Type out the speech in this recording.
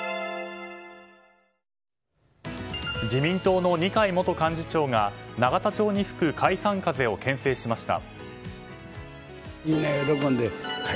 自民党の二階元幹事長が永田町に吹く解散風を牽制しました。